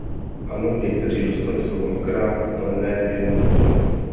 Ano, někteří dostali slovo dvakrát, ale ne v jednom bodě.